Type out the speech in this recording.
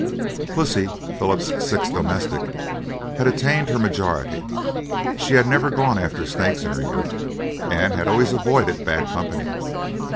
Pussy, Philip's sixth domestic, had attained her majority; she had never gone after snakes in her youth, and had always avoided bad company.